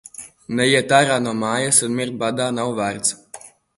Neiet ārā no mājas un mirt badā nav vērts.